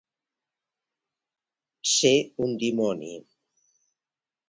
Ser un dimoni.